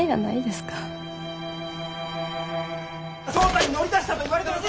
調査に乗り出したといわれてますが！